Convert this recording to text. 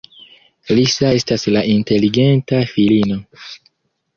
Lisa estas la inteligenta filino.